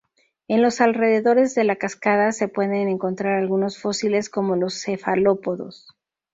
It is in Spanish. En los alrededores de la cascada se pueden encontrar algunos fósiles como los cefalópodos.